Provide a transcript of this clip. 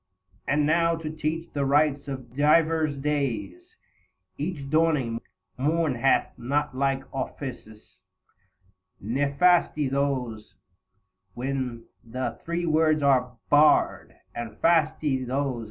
And now to teach the rites of divers days (Each dawning morn hath not like offices) ; Nefasti those, when the three words are barred, And Fasti those whereon lawsuits be heard.